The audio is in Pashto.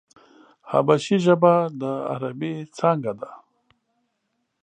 حبشي ژبه د عربي څانگه ده.